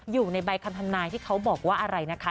อยู่ในใบคำทำนายที่เขาบอกว่าอะไรนะคะ